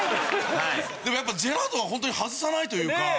でもやっぱジェラードンはホントに外さないというか。